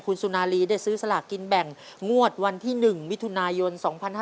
คุณสุนารีได้ซื้อสลากกินแบ่งงวดวันที่๑มิถุนายน๒๕๕๙